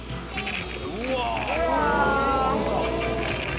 うわ。